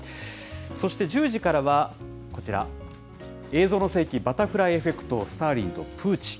そして、１０時からはこちら、映像の世紀バタフライエフェクト、スターリンとプーチン。